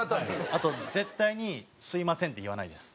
あと絶対に「すみません」って言わないです。